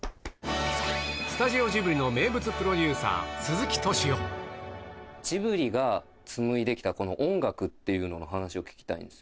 スタジオジブリの名物プロデューサー、ジブリが紡いできた、この音楽っていうのの話を聞きたいんです。